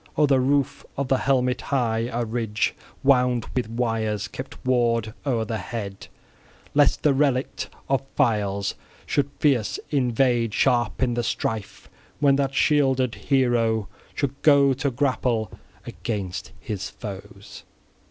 O'er the roof of the helmet high, a ridge, wound with wires, kept ward o'er the head, lest the relict of files {15c} should fierce invade, sharp in the strife, when that shielded hero should go to grapple against his foes.